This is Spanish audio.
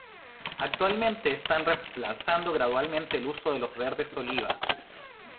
Actualmente están reemplazando gradualmente el uso de los "Verde Oliva".